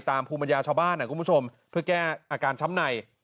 ตามภูมิตยาชาวบ้านนะคุณผู้ชมเพื่อแก้อาการช้ำไหน